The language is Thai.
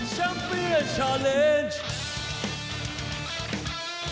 เช่นนั้นแม่งมือชัยก็ไม่พิสูจน์